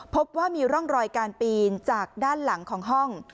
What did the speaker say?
พบว่ามีร่องรอยการปีนจากด้านหลังของห้อง